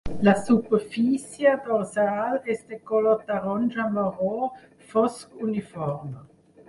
La superfície dorsal és de color taronja-marró fosc uniforme.